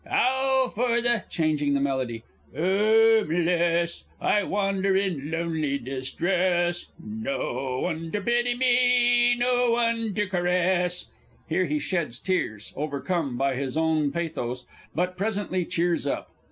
Ow! for the" (changing the melody) "'omeless, I wander in lonely distress. No one ter pity me none ter caress!" (Here he sheds tears, _overcome by his own pathos, but presently cheers up.